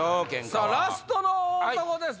さぁラストの大男です